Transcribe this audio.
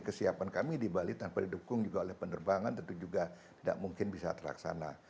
kesiapan kami di bali tanpa didukung juga oleh penerbangan tentu juga tidak mungkin bisa terlaksana